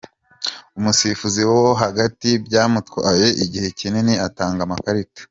Umusifuzi wo hagati byamutwaye igihe kinini atanga amakarita .